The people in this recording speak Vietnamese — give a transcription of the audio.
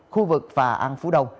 khu vực và an phú đông